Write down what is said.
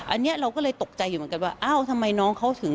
อันนี้เราก็เลยตกใจอยู่เหมือนกันว่าอ้าวทำไมน้องเขาถึง